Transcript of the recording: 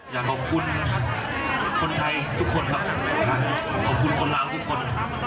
อยากขอบคุณคนไทยทุกคนครับขอบคุณคนเราทุกคน